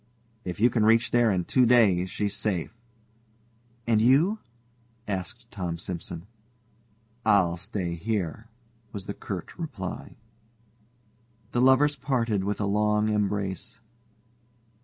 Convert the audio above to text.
"If you can reach there in two days she's safe." "And you?" asked Tom Simson. "I'll stay here," was the curt reply. The lovers parted with a long embrace.